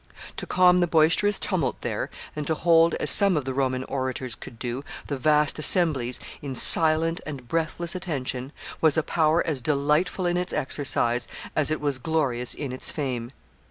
To calm the boisterous tumult there, and to hold, as some of the Roman orators could do, the vast assemblies in silent and breathless attention, was a power as delightful in its exercise as it was glorious in its fame.